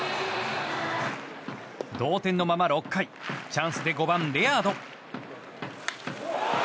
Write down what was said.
同点のまま６回チャンスで５番、レアード。